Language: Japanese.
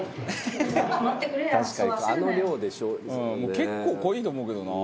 「結構濃いと思うけどな」